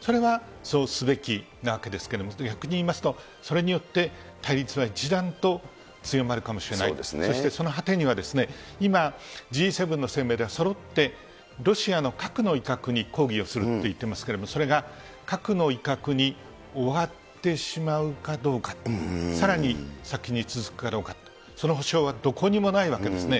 それは、そうすべきなわけですけれども、逆に言いますと、それによって、対立は一段と強まるかもしれない、そしてその果てには、今、Ｇ７の声明では、そろってロシアの核の威嚇に抗議をするって言ってますけれども、それが核の威嚇に終わってしまうかどうか、さらに先に続くかどうか、その保証はどこにもないわけですね。